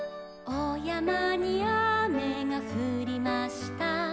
「おやまにあめがふりました」